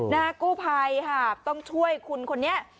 กู้ภัยค่ะต้องช่วยคุณคนนี้